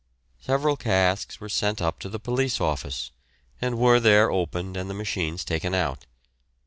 Several casks were sent up to the police office and were there opened and the machines taken out.